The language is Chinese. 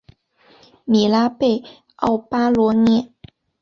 米拉贝奥巴罗涅。